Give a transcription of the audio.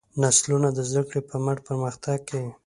نسلونه د زدهکړې په مټ پرمختګ کوي.